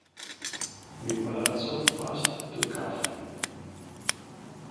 The palazzo passed to cav.